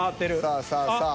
さあさあさあ。